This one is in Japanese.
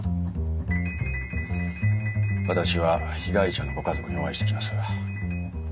私は被害者のご家族にお会いして来ます。